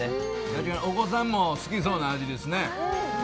お子さんも好きそうな味ですね。